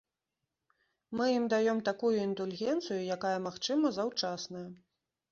Мы ім даём такую індульгенцыю, якая, магчыма, заўчасная.